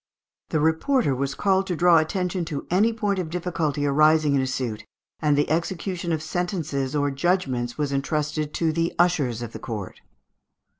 The reporter was ordered to draw attention to any point of difficulty arising in a suit, and the execution of sentences or judgments was entrusted to the ushers of the court.